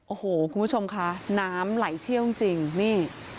โอ้โหคุณผู้ชมค่ะน้ำไหลเชี่ยวจริงนี่